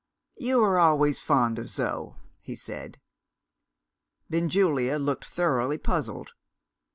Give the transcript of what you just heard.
"You were always fond of Zo," he said. Benjulia looked thoroughly puzzled.